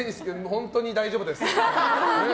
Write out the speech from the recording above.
本当に大丈夫です。